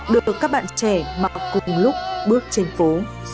được ở các bạn trẻ mặc cùng lúc bước trên phố